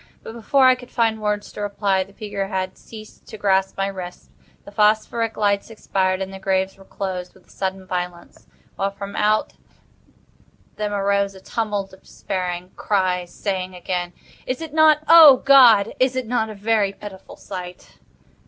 But, before I could find words to reply, the figure had ceased to grasp my wrist, the phosphoric lights expired, and the graves were closed with a sudden violence, while from out them arose a tumult of despairing cries, saying again: "Is it not—O, God, is it not a very pitiful sight?"